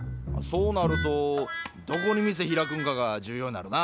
そうなるとどこに店開くんかが重要になるな。